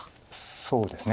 そうですね。